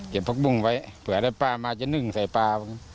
ผักบุ้งไว้เผื่อได้ปลามาจะนึ่งใส่ปลา